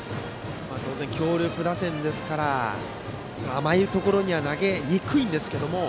当然、強力打線ですから甘いところには投げにくいんですけども。